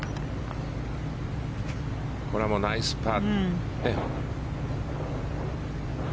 これはもうナイスパー。